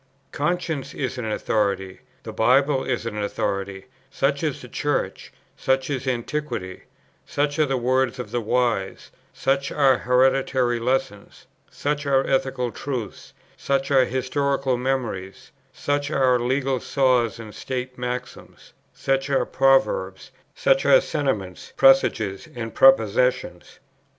Conscience is an authority; the Bible is an authority; such is the Church; such is Antiquity; such are the words of the wise; such are hereditary lessons; such are ethical truths; such are historical memories; such are legal saws and state maxims; such are proverbs; such are sentiments, presages, and prepossessions.